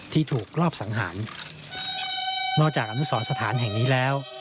ที่ถูกรอบสังหารนอกจากอนุสรสถานแห่งนี้แล้ว